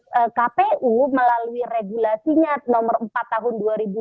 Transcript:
ketika kemudian kpu melalui regulasinya no empat tahun dua ribu dua puluh tiga